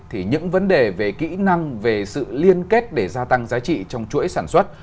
thì những vấn đề về kỹ năng về sự liên kết để gia tăng giá trị trong chuỗi sản xuất